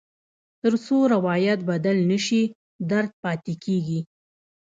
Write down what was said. تر څو روایت بدل نه شي، درد پاتې کېږي.